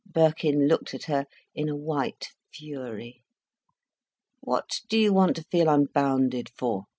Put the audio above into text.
." Birkin looked at her in a white fury. "What do you want to feel unbounded for?"